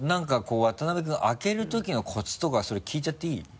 渡辺君開けるときのコツとかそれ聞いちゃっていい？